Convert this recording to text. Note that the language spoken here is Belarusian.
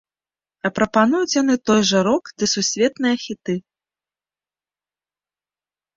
А прапануюць яны той жа рок ды сусветныя хіты.